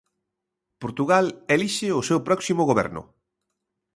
Portugal elixe o seu próximo goberno.